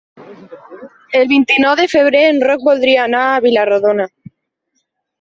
El vint-i-nou de febrer en Roc voldria anar a Vila-rodona.